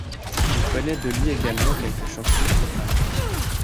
On connaît de lui également quelques chansons profanes.